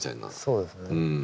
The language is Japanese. そうですね。